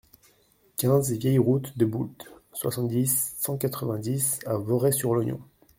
quinze vieille Route de Boult, soixante-dix, cent quatre-vingt-dix à Voray-sur-l'Ognon